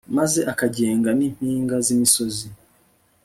maze akagenga n'impinga z'imisozi